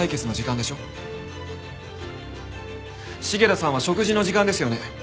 重田さんは食事の時間ですよね？